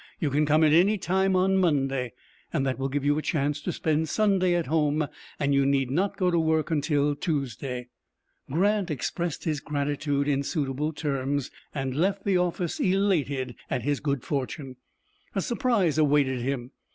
You can come any time on Monday. That will give you a chance to spend Sunday at home, and you need not go to work till Tuesday." Grant expressed his gratitude in suitable terms, and left the office elated at his good fortune. A surprise awaited him.